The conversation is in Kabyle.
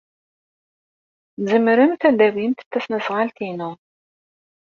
Tzemremt ad tawimt tasnasɣalt-inu.